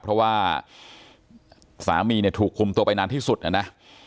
เพราะว่าสามีเนี่ยถูกคุมตัวไปนานที่สุดนะ